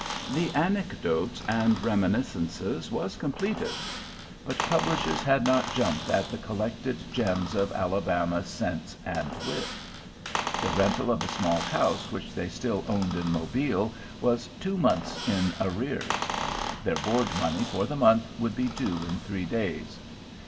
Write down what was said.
The Anecdotes and Reminiscences was completed, but publishers had not jumped at the collected gems of Alabama sense and wit. The rental of a small house which they still owned in Mobile was two months in arrears. Their board money for the month would be due in three days.